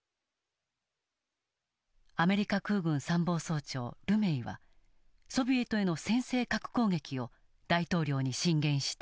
アメリカ空軍参謀総長ルメイはソビエトへの先制核攻撃を大統領に進言した。